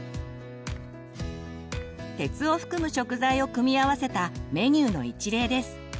鉄を含む食材を組み合わせたメニューの一例です。